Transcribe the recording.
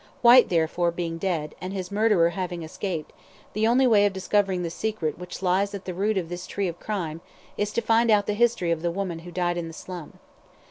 Whyte, therefore, being dead, and his murderer having escaped, the only way of discovering the secret which lies at the root of this tree of crime, is to find out the history of the woman who died in the slum.